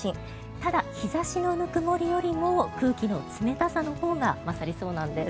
ただ、日差しのぬくもりよりも空気の冷たさのほうが勝りそうなんです。